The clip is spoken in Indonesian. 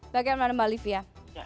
bagaimana mbak livi ya